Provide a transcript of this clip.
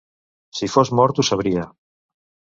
Si fos mort, ho sabria.